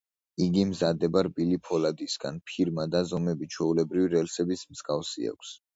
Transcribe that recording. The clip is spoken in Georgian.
იგი მზადდება რბილი ფოლადისგან, ფორმა და ზომები ჩვეულებრივი რელსების მსგავსი აქვს.